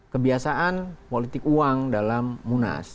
kebiasaan politik uang dalam munas